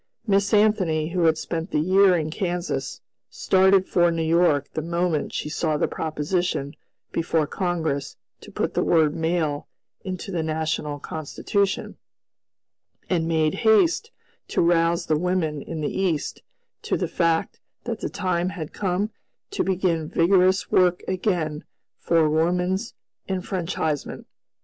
Miss Anthony, who had spent the year in Kansas, started for New York the moment she saw the proposition before Congress to put the word "male" into the national Constitution, and made haste to rouse the women in the East to the fact that the time had come to begin vigorous work again for woman's enfranchisement.